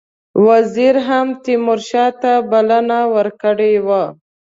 وزیر هم تیمورشاه ته بلنه ورکړې وه.